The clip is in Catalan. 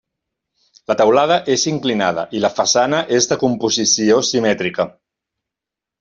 La teulada és inclinada i la façana és de composició simètrica.